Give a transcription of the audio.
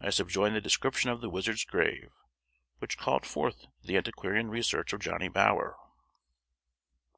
I subjoin the description of the wizard's grave, which called forth the antiquarian research of Johnny Bower.